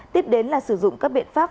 tiếp đến là sử dụng các biện pháp